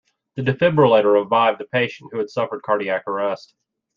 The Defibrillator revived the patient who had suffered cardiac arrest.